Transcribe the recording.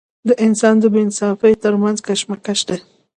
د انسان د بې انصافۍ تر منځ کشمکش دی.